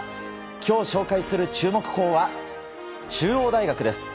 今日紹介する注目校は中央大学です。